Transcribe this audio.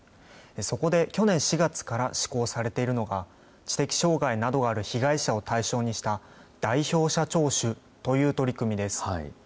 そこで去年４月から施行されているのが、知的障害などがある被害者を対象にした代表者聴取という取り組みです。